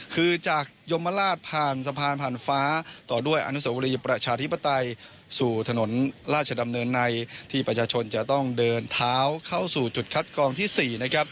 คือจากยมราชผ่านสะพานผ่านฟ้าต่อด้วยอนุสวรีประชาธิปไตยสู่ถนนราชดำเนินในที่ประชาชนจะต้องเดินเท้าเข้าสู่จุดคัดกรองที่๔นะครับ